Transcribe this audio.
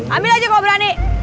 ambil aja kalo berani